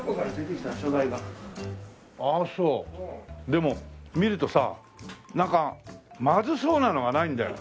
でも見るとさなんかまずそうなのがないんだよ。